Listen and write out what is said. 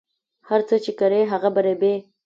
هر څه چې کرې هغه به ریبې